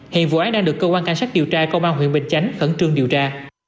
hiện vụ án đang được cơ quan cảnh sát điều tra công an huyện bình chánh khẩn trương điều tra